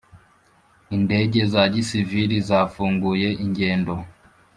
indege za gisivili zafunguye ingendo